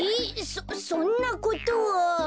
そそんなことは。